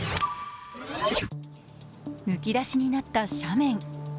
むき出しになった斜面。